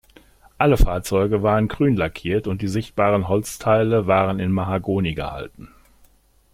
Alle Fahrzeuge waren grün lackiert und die sichtbaren Holzteile waren in Mahagoni gehalten.